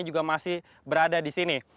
juga masih berada di sini